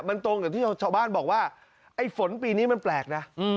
มันตรงกับที่ชาวบ้านบอกว่าไอ้ฝนปีนี้มันแปลกนะ